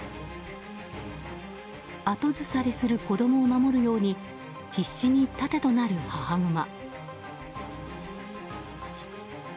後ずさりする子供を守るように必死に盾となる母グマ。